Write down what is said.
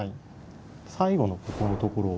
最後のここのところ。